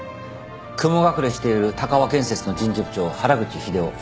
雲隠れしている鷹和建設の人事部長原口秀夫。